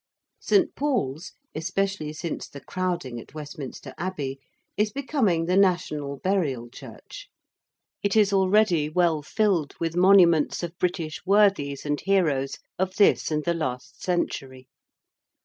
St. Paul's, especially since the crowding at Westminster Abbey, is becoming the National Burial Church. It is already well filled with monuments of British worthies and heroes of this and the last century.